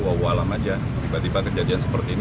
wawah lama aja tiba tiba kejadian seperti ini